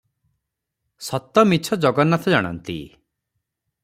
ସତ ମିଛ ଜଗନ୍ନାଥ ଜାଣନ୍ତି ।